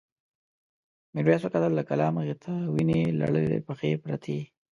میرويس وکتل د کلا مخې ته وینې لړلې پښې پرتې.